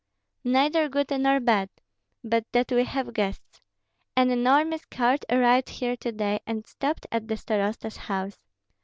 "Neither good nor bad, but that we have guests. An enormous court arrived here to day, and stopped at the starosta's house.